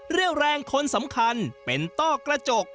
เรี่ยวแรงคนสำคัญเป็นต้อกระจก